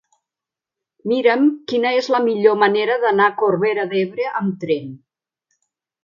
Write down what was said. Mira'm quina és la millor manera d'anar a Corbera d'Ebre amb tren.